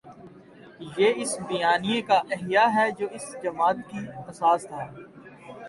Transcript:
یہ اس بیانیے کا احیا ہے جو اس جماعت کی اساس تھا۔